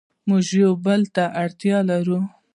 موږ یو بل ته اړتیا لرو.